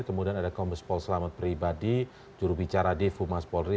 kemudian ada komis pol selamat pribadi jurubicara div fumas polri